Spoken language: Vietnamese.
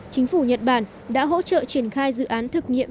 chính phủ nhật bản đã hỗ trợ triển khai dự án thực nghiệm